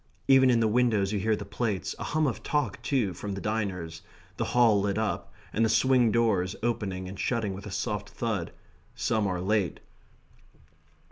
Even in the window you hear the plates; a hum of talk, too, from the diners; the Hall lit up, and the swing doors opening and shutting with a soft thud. Some are late.